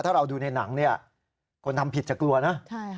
ถ้าเราดูในหนังเนี่ยคนทำผิดจะกลัวนะ